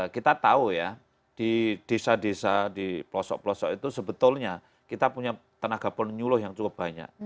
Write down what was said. kita tahu ya di desa desa di pelosok pelosok itu sebetulnya kita punya tenaga penyuluh yang cukup banyak